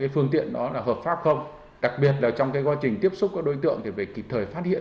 pháp không đặc biệt là trong quá trình tiếp xúc với đối tượng thì phải kịp thời phát hiện